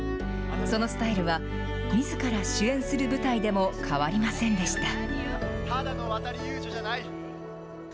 そのスタイルは、みずから主演する舞台でも変わりませんでした。